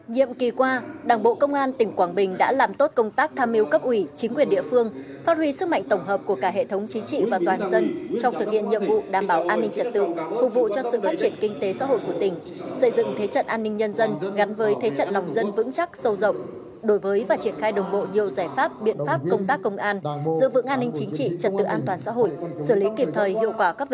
nhậm kỳ qua đảng bộ công an tỉnh quảng bình đã làm tốt công tác tham mưu cấp ủy chính quyền địa phương phát huy sức mạnh tổng hợp của cả hệ thống chính trị và toàn dân trong thực hiện nhiệm vụ đảm bảo an ninh trật tự phục vụ cho sự phát triển kinh tế xã hội của tỉnh xây dựng thế trận an ninh nhân dân gắn với thế trận lòng dân vững chắc sâu rộng đổi với và triển khai đồng bộ nhiều giải pháp biện pháp công tác công an giữ vững an ninh chính trị trật tự an toàn xã hội xử lý kịp thời hiệu quả các